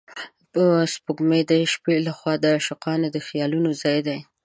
سپوږمۍ د شپې له خوا د عاشقانو د خیالونو ځای دی